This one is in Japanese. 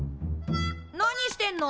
何してんの？